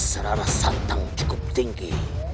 serang satang cukup tinggi